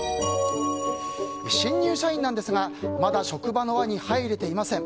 新入社員なんですがまだ職場の輪に入れていません。